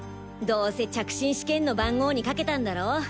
どうせ着信試験の番号にかけたんだろ？